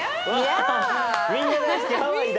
みんな大好きハワイだ。